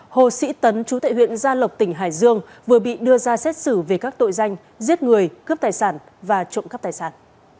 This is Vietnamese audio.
hồ sĩ tấn chú tại huyện gia lộc tỉnh hải dương vừa bị đưa ra xét xử về các tội danh giết người cướp tài sản và trộm cắp tài sản